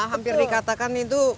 hampir dikatakan itu